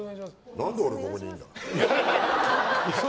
何で俺、ここにいるんだ？